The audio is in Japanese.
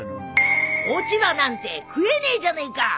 落ち葉なんて食えねえじゃねえか。